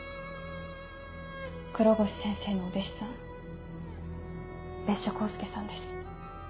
黒越先生のお弟子さん別所幸介さんです。